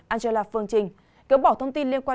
angela phương trinh gỡ bỏ thông tin liên quan